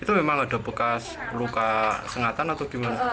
itu memang ada bekas luka sengatan atau gimana